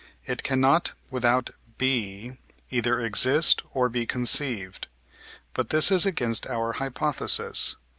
it cannot without B either exist or be conceived; but this is against our hypothesis.